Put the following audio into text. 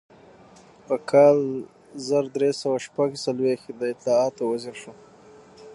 په کال زر درې سوه شپږ څلویښت د اطلاعاتو وزیر شو.